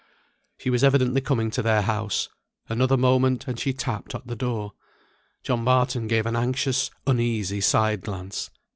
She was evidently coming to their house; another moment, and she tapped at the door. John Barton gave an anxious, uneasy side glance.